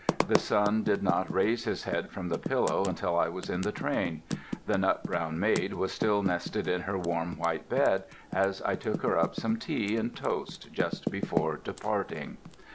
The sun did not raise his head from the pillow until I was in the train. The Nut Brown Maid was still nested in her warm white bed as I took her up some tea and toast just before departing.